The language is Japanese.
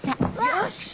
よし！